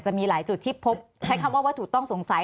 จะมีหลายจุดที่พบใช้คำว่าวัตถุต้องสงสัย